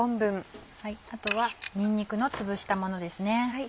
あとはにんにくのつぶしたものですね。